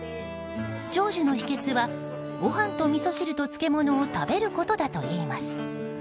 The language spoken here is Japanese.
長寿の秘訣は、ご飯とみそ汁と漬物を食べることだといいます。